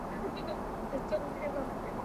In the past the German name was "Commenda".